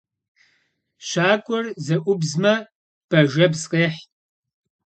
Щакӏуэр зэӏубзмэ, бажэбз къехь.